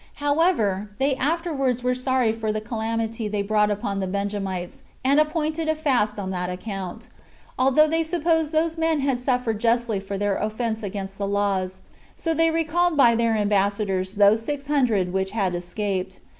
12. However, they afterward were sorry for the calamity they had brought upon the Benjamites, and appointed a fast on that account, although they supposed those men had suffered justly for their offense against the laws; so they recalled by their ambassadors those six hundred which had escaped.